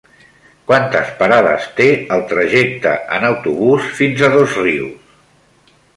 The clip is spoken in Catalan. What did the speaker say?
Quantes parades té el trajecte en autobús fins a Dosrius?